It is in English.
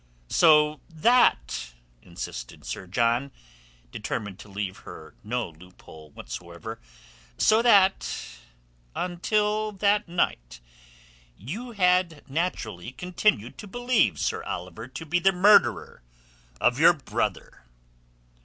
"So that," insisted Sir John, determined to leave her no loophole whatsoever, "so that until that night you had naturally continued to believe Sir Oliver to be the murderer of your brother?"